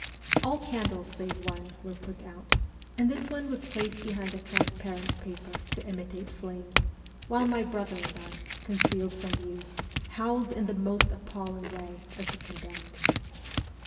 All candles save one were put out, and this one was placed behind a transparent paper to imitate flames, while my brother and I, concealed from view, howled in the most appal ling way as the condemned.